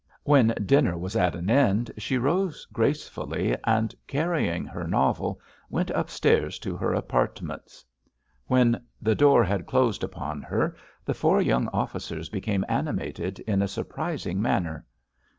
When dinner was at an end she rose gracefully, and, carrying her novel, went upstairs to her apartments. When the door had closed upon her the four young officers became animated in a surprising manner.